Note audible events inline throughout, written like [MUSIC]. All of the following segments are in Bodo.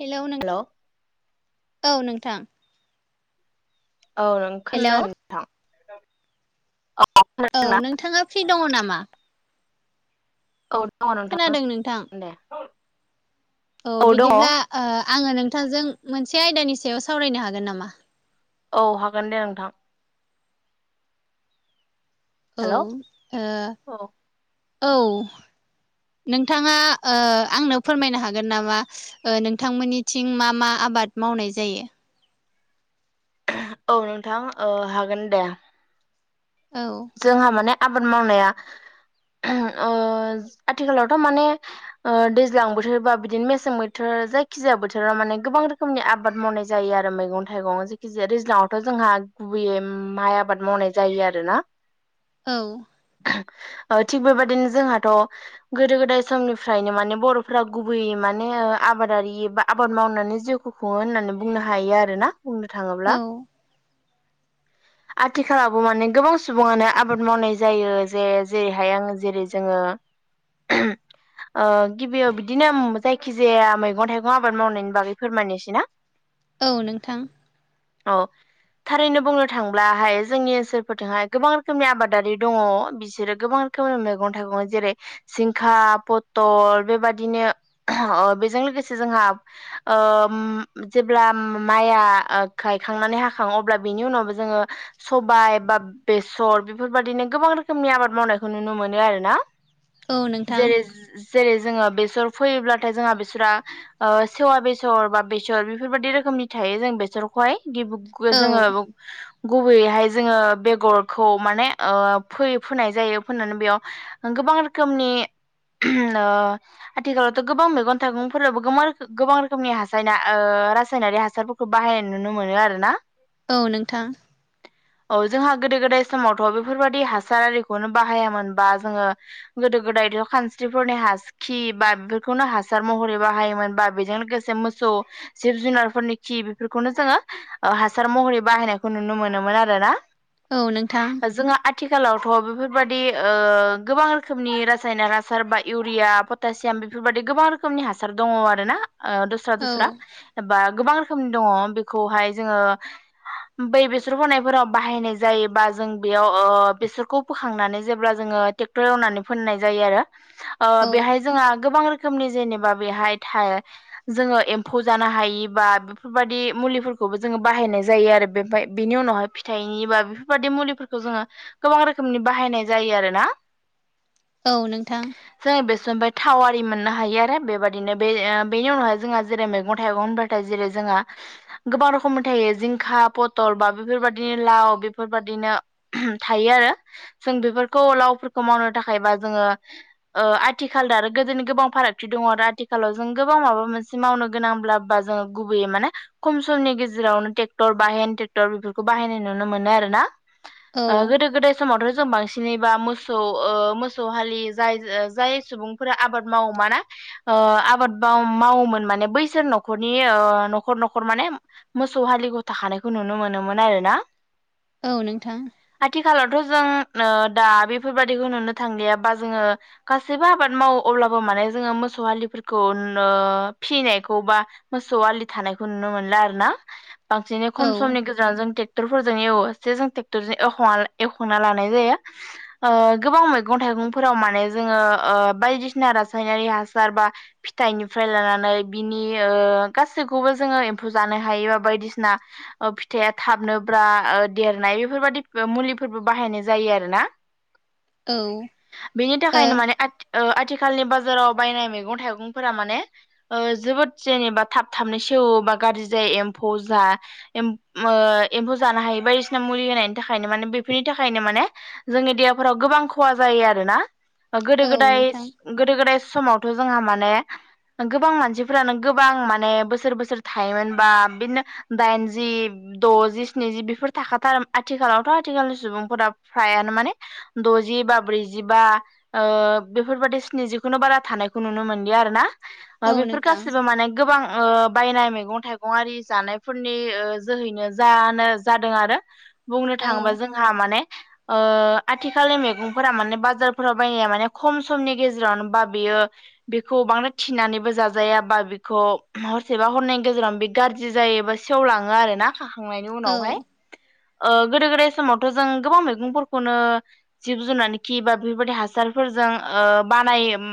हेलौ नोंथां! औ नोंथां। औ। हेल' खोनादों नोंथां खोनादोंना औ नोंथाङा फ्रि दङ नामा? औ दङ नोंथां दे। औ बिदिब्ला आङो नोंथांजों मोनसे आयदानि सायाव सावरायनो हागोन नामा? औ हागोन दे नोंथां। हेलौ औ औ औ। नोंथाङा आंनो फोरमायनो हागोन नामा? नोंथांमोननिथिं मा मा आबाद मावनाय जायो? औ नोंथां हागोन दे। औ। जोंहा माने आबाद मावनाया आथिखालावथ' माने दैज्लां बोथोर बा बिदिनो मेसें बोथोर जायखिजाया बोथोरा माने गोबां रोखोमनि आबाद मावनाय जायो आरो मैगं थाइगं जेखि जाया दैज्लाङावथ' जोंहा गुबैयै माइ आबाद मावनाय जायो आरोना। औ। थिग बे बादिनो जोंहाथ' गोदो गोदाय समनिफ्रायनो माने बर'फोरा गुबैयै माने आबादारि बा आबाद मावनानै जिउ खुङो होननानै बुंनो हायो आरोना। बुंनो थाङोब्ला औ आथिखालावबो माने गोबां सुबुङानो आबाद मावनाय जायो जे जेरैहाय आङो जेरै जोङो गिबियाव बिदिनो जायखिजाया मैगं थाइगं आबाद मावनायनि बागै फोरमायनोसै ना। औ नोंथां। औ थारैनो बुंनो थांब्लाहाय जोंनि ओनसोलफोरजोंहाय गोबां रोखोमनि आबादारि दङ बिसोरो गोबां रोखोमनि मैगं थाइगं जेरै जिंखा, पथल बेबादिनो बेजों लोगोसे जोंहा ओम जेब्ला माइया गायखांनानै हाखां अब्ला बिनि उनावबो जोङो सबाय बा बेसर बेफोरबायदिनो गोबां रोखोमनि आबाद मावनायखौ नुनो मोनो आरोना। औ नोंथां जेरै जेरै जोङो बेसर फैयोब्लाथाय जोंहा बेसरा सेवा बेसर, बा बेसर बेफोरबायदि रोखोमनि थायो जों बेसरखौहाय गि औ जोङो गुबैयैहाय जोङो बे गरखौ माने फो-फोनाय जायो। फोननानै बेयाव गोबां रोखोमनि ओ आथिखालावथ' गोबां मैगं-थाइगंफोराबबो गोबां रोखोमनि हासायना-रासायनारि हासारफोरखौ बाहायनाय नुनो मोनो आरो ना। औ नोंथां। औ जोंहा गोदो गोदाय समावथ' बेफोरबायाददि हासार आरिखौनो बाहायामोन बा जोङो गोदो गोदायथ खानस्रिफोरनि हासो खि बा बेफोरखौनो हासार महरै बाहायोमोन बा बेजों लोगोसे मोसौ जिब जुनारफोरनि खि बेफोरखौनो जोङो ओ हासार महरै बाहायनायखौ नुनो मोनोमोन आरोना। औ नोंथां। जोङो आथिखालावथ' ओ बेफोरबाददि गोबां रोखोमनि रासायनक हासार बा इउरिया दासियाम बेफोरबाददि गोबां रोखोमनि हासार दङ आरोना ओ दस्रा औ दस्रा। बा गोबां रोखोमनि दङ बेखौहाय जोङो बै बेसर फनायफोराव बाहायनाय जायोबा जों बेयाव अ बेसोरखौ बोखांनानै जेब्ला जोङो ट्रेक्टर एवनानै फोननाय जायो आरो। [INAUDIBLE] ओ बेहाय जोंहा गोबां रोखोमनि जेनेबा बेहाय थाय जोङो एम्फौ जानो हायिबा बेफोरबायादि मुलिफोरखौबो जोङो बाहायनाय जायो आरो बेमफाय बेनि उनावहाय फिथाइनि बा बेफोरबायदि मुलिफोरखौ जोङो गोबां रोखोमनि बाहायनाय जायो आरोना। औ नोंथां। जाय बेसर निफाय थाव आरि मोननो हायो आरो बेबायदिनो बे बेनि उनावहाय जोंहा जेरै मैगं थाइगं होनब जेरै जोंहा गोबां रखनि थायो जिंखा, पथल बा बेफोरबायदिनो लाव बेफोरबादिनो थायो आरो जों बेफोरखौ लावफोरखौ मावनो थाखायबा जोङो ओ आथिखाल दा आरो गोदोनि गोबां फारागथि दङ आरो आथिखालाव जों गोबां माबा मोनसे मावनो गोनांब्ला बा जोङो गुबैयै माने खम समनि गेजेरावनो ट्रेक्टर बा हेन ट्रेक्टर बेफोरखौ बाहायनाय नुनो मोनो आरो। ना औ ओ गोदो गोदाय समावथ' जों बांसिनैबा मोसौ ओ मोसौ हालि जाय- जाय सुबुंफोरा आबाद मावो मा ना ओ आबाद मावोमोन माने बैसोर न'खरनि ओ न'खर न'खर माने मोसौ हालिग थाखानायखौ नुनो मोनोमोन आरोना। औ नोंथां। आथिखालावथ' जों ओ दा बेफोरबादिखौ नुनो थांलियाबा जोङो गासैबो आबाद मावो अब्लाबो माने जोङो मोसौ हलिफोरखौ नो फिनायखौ बा मोसौ आलि थानायखौ नुनो मोनला आरो ना। बांसिनै औ खम समनि गेजेराव जों ट्रेक्टरफोरजों एवो। से जों ट्रेक्टरजों एवखना- एवखना लानाय जायो । ओ गोबां मैगं थाइगंफोराव माने जोङो ओ बायदिसिना रासायनारि हासार बा फिथाइनिफ्राय लानानै बिनि ओ गासैखौबो जोङो एम्फौ जानो हायोबा बायदिसिना ओ फिथाइया थाबनोब्रा देरनाय बेफोरबादि मुलिफोरबो बाहायनाय जायो आरोना। औ बेनि ओ थाखायनो माने आदि ओ आथिखालनि बाजाराव बायनाय मैगं थाइगंफोरा माने ओ जोबोद जेनेबा थाब थाबनो सेवोबा गाज्रि जायो एम्फौ जा एम ओ एम्फौ जानो हायोबा मुलि होनायनि थाखायनो माने बेफोरनि थाखायनो माने जोंनि देहाफोराव गोबां खहा जायो आरोना। गोदो औ गोदाय नोंथां गोदो गोदाय समावथ' जोंहा माने गोबां मानसिफोरानो गोबां माने बोसोर बोसोर थायोमोनबा बिदिनो दाइनजि, द'जि, स्निजि बेफोर थाखाथार आथिखालावथ' आथिखालनि सुबुंफोरा फ्रायानो माने दजिबा ब्रैजिबा ओ बेफोरबादि स्निजिखौनो बारा थानायखौ नुनो मोनलि आरो ना औ बेफोर नोंथां गासैबो माने गोबां ओ बायनाय मैगं थाइगं आरि जानायफोरनि जोहैनो जानो जादों आरो बुंनो औ थाङोबा जोंहा माने ओ आथिखालनि मैगंफोरा माने बाजारफोराव बायनाया माने खम समनि गेजेरावनो बा बेयो बेखौ बांद्राय थिनानैबो जाजायााबा बेखौ हरसेबा हरनायनि गेजेराव बे गाज्रि जायोबा सेवलाङो आरो ना खाखांनायनि औ उनावहाय ओ गोदो गोदाय समावथ' जों गोबां मैगंफोरखौनो जिब जुनार खि बा बेफोरबायदि हासारफोरजों ओ बानायो उम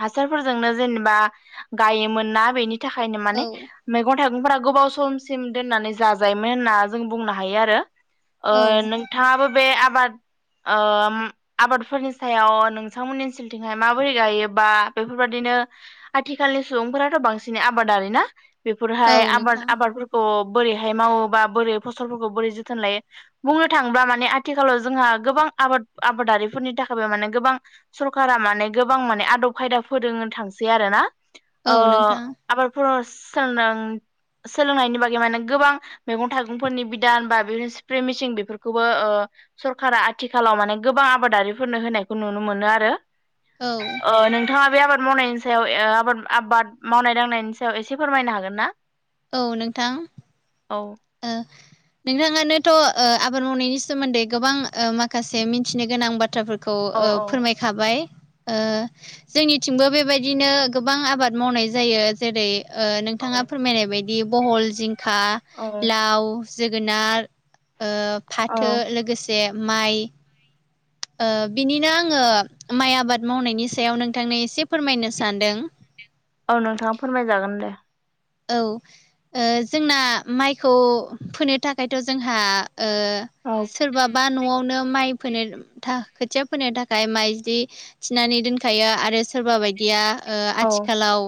हा सारफोरजोंनो जेनेबा गायोमोन ना बेनि नि थाखायनो औ माने मैगं थाइगंफोरा गोबाव समसिम दोननानै जाजायोमोन होनना जों बुंनो हायो आरो ओ औ नोंथाङाबो बे आबाद ओ आबादफोरनि सायाव नोंथांमोननि ओनसोलथिंहाय माबोरै गायोबा बेफोरबायदिनो आथिखालनि सुबुंफोराथ' बांसिनै आबादारि ना बेफोरहाय औ आबाद नोंथां आबादफोरखौ बोरैहाय मावो बा बोरै फसलफोरखौ बोरै जोथोन लायो बुंनो थाङोब्ला माने आथिखालाव जोंहा गोबां आबाद आबादारिफोरनि थाखायबो माने गोबां सरखारा माने गोबां माने आदब खायदा फोरोंनो थांसै आरो ना औ ओ नोंथां आबादफोर सोलों सोलोंनायनि बागै माने गोबां मैगं थाय गंफोरनि बिदान बा बे स्प्रे मेसिन बेफोरखौबो ओ सरकारा आथिखालाव माने गोबां आबादारिफोरनो होनायखौ नुनो मोनो आरो औ ओ नोंथाङा बे आबाद मावनायनि ओ सायाव आबाद आबाद मावनाय दांनायनि सायाव एसे फोरमायनो हागोन ना औ नोंथां औ ओ नोंथाङानोथ' ओ आबाद मावनायनि सोमोन्दै गोबां ओ माखासे मिथिनो गोनां बाथ्रा खौ औ ओ औ फोरमायखाबाय ओ जोंनिथिंबो बेबायदिनो गोबां आबाद मावनाय जायो जेरै ओ नोंथाङा फोरमायनाय बायदि बहल जिंखा औ लाव जोगोनार ओ औ फाथो लोगोसे माइ ओ बिनिनो आङो माइ आबाद मावनायनि सायाव नोंथांनो एसे फोरमायनो सानदों औ नोंथाङा फोरमायजागोन दे औ ओ जोंना माइखौ फोनो थाखायथ' जोंहा ओ औ सोरबाबा न'आवनो माइ फोनो खोथिया फोनो थाखाय माइदि थिनानै दोनखायो आरो सोरबा बायदिया ओ औ आथिखालाव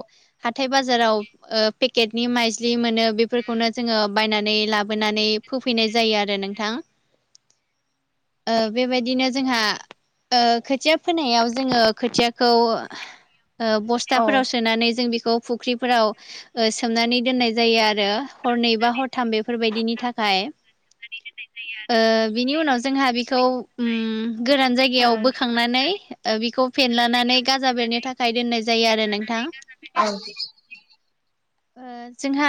हाथथाय बाजाराव ओ पेकेटनि माइज्लि मोनो बेफोरखौनो जोङो बायनानै लाबोनानै फोफैनाय जायो आरो नोंथां ओ बेबायदिनो जोंहा ओ खोथिया फोनायाव जोङो खोथियाखौ ओ औ बस्थाफोराव सोनानै जों बेखौ फुख्रिफोराव ओ सोमनानै दोननाय जायो आरो हरनै बा हरथाम बेफोरबायदिनि थाखाय जायो आरो ओ बिनि उनाव जोंहा बिखौ उम गोरान औ जायगायाव बोखांनानै ओ बिखौ फेनलानानै गाजा बेरनो थाखाय दोननाय जायो आरो नोंथां। औ ओ जोंहा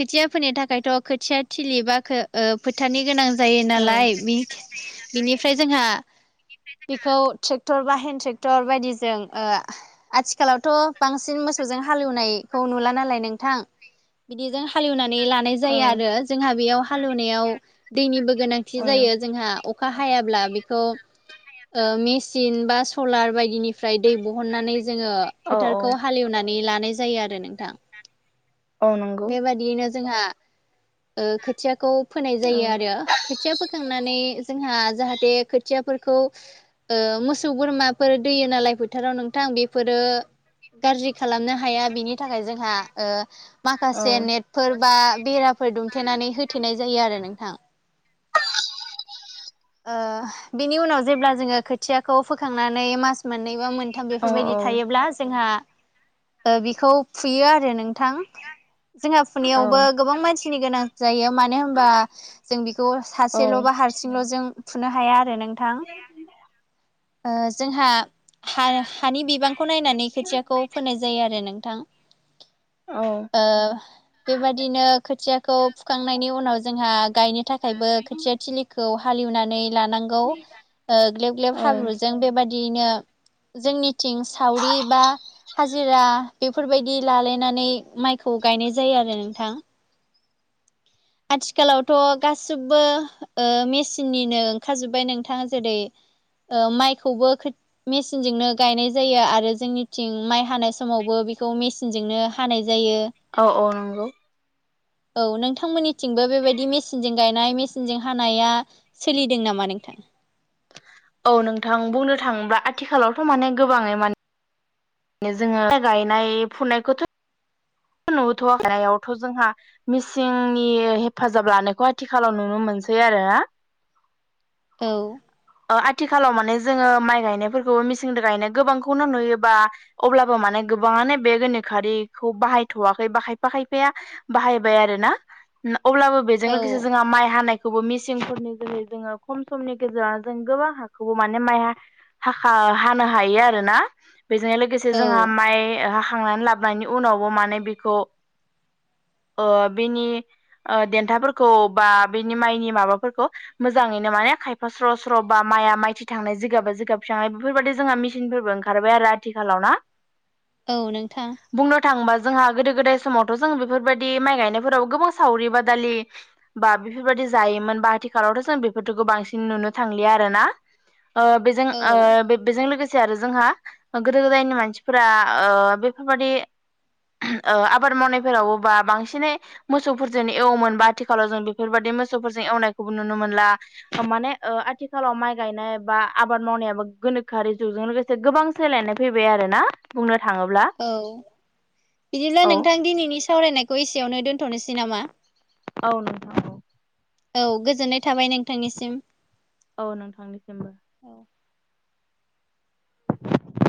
खोथिया फोनो थाखायथ' खोथिया थिलि बा खो ओ फोथारानि गोनां जायो नालाय बिनिफ्राय जोंहा बेखौ ट्रेक्टर बा हेन्दड ट्रेक्टर बायदिजों ओ आथिखालावथ' बांसिन मोसौजों हालेवनाय खौ नुला नालाय नोंथां बिदिजों हालेवनानै लानाय जायो आरो जोंहा बेयाव हालेवनायाव दैनिबो गोनांथि औ जायो जोंहा अखा हायाब्ला बेखौ ओ मेचिन बा सलार बायदिनि फ्राय दै बहननानै जोङो औ फोथारखौ हालेवनानै लानाय जायो आरो नोंथां। औ नंगौ बेबादियैनो जोंहा ओ खोथियाखौ फोनाय जायो आरो खोथिया औ-औ-औ-औ-औ-औ-औ-औ फोखांनानै जोंहा जाहाथे खोथियाफोरखौ ओ मोसौ बोरमाफोर दोयो नालाय फोथाराव नोंथां बेफोरो गाज्रि खालामनो हाया बिनि जों माखासे नेट बा बेराफोर दुमथेनानै हो थेनाय जायो आरो नोंथां। ओ बिनि उनाव जेब्ला जोङो खोथियाखौ फोखांनानै मास मोननैबा मोन नोंथां बेफोरबायदि थायोब्ला जोंहा बिखौ फुयो आरो नोंथां। जोंहा फुनाययावबो नंगौ गोबां मानसिनि गोनां। जायो मानो होनबा जों बेखौ सासेल' बा हारसिंल' जों फुनो हाया आरो नों नोंथां। हा-हानि बिबांखौ नायनानै खोथियाखौ फोनाय जायो आरो नोंथां। औ। ओ बेबादिनो खोथियाखौ फुखांनायनि उनाव जोंहा गायनो थाखायबो खोथिया थिलिखौ हालएवनानै लानां खौ ओ ग्लेब ग्लेब हाब्रुजों बेबायाददियैनो जोंनिथिं सावरि बा हाजिरा बेफोरबायदि लालायनानै माइखौ गायनाय जायो आरो नोंथां। आथिखालावथ' गाससिबो ओ मेसिननिनो ओंखार जोब्बाय नोंथाङा जेरै ओ माइखौबो खो मेसिनजोंनो गायनाय जायो आरो जोंनिथिं माइ हानाय समावबो बेखौ मेसिनजोंनो हानाय जायो। औ औ नंगौ। औ नोंथांमोननिथिंबो बेबायदि मेचिनजों गायनाय मेसिनजों हानाया सोलिदों नामा नोंथां? औ नोंथां बुंनो थाङोब्ला आथिखालावथ' माने गोबाङै माने जोङो गायनाय फुनायखौथ' नुथ' हावथ' जोंहा मिसिंनि हेफाजाब लानायखौ आथिखालाव नुनो मोनसै आरो ना औ आथिखालाव माने जोङो माइ गायनायफोरखौबो मिसिंदो गायनाय गोबांखौनो नुयोबा अब्लाबो माने गोबाङानो बे गोनोखोआरिखौ बाहायथ'वाखै बा खायफा खायफाया बाहायबाय आरो ना। अब्लाबो बेजों औ लोगोसे जोंहा माइ हानायखौबो मिसिंफोरनि जै जोङो खम समनि गेजेराव गोबां हाखौबो माने माइ हाखा हानो हायो आरोना बेजों लोगोसे औ जोंहा माइाखांनानै लाबोनायनि उनावबो माने बेखौ अ बेनि देन्थाफोरखौ बा बेनि माइनि माबाफोरखौ मोजाङैनो माने खायफा स्र स्र स्र'बा माया माइथि थांनाय जिगाबा जिगाबिखांनाय बेफोरबायदि जोंहा मिचसिनफोरबो ओंखारबाय आरो आथिखालाव ना औ नोंथां बुंनो थाङोबा जोंहा गोदो गोदाय समावथ' जों बेफोरबायदि माइ गायनायफोरावो गोबां सावरि बादालि बा बेफोरबायदि जायोमोन बा आथिखालावथ' जों बेफोरफोरखौफोरखौ बांसिन नुनो थांलिया आरोना ओ बेजों औ ओ बेजों लोगोसे आरो जोंहा गोदो गोदायनि मानसिफोरा बेफोरबादि ओ आबाद मावनायफोराव बा बांसिनै मोसौफोरजों एवोमोनबा आथिखालाव जों बेफोरबाददि मोसौफोरजों एवनायखौबो नुनो मोनला माने ओ आथिखालाव माइ गायनाय बा आबाद मावनायाबो गोनोखोआरि जुगजों लोगोसे गोबां सोलायनाय फैबाय आरोना। बुंनो थाङोब्ला। औ बिदिब्ला औ नोंथां दिनैनि सावरायनायखौ एसेयावनो दोनथ'नोसै नामा? औ नोंथां। औ गोजोननाय थाबाय नोंथांनिसिम औ नोंथांनिसिमबो औ